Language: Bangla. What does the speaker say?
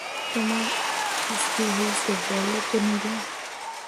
তোমার আজ কী হয়েছে বলো তো নীরু।